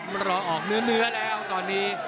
มันรอออกเนื้อแล้วตอนนี้